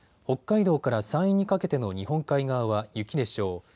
北海道から山陰にかけての日本海側は雪でしょう。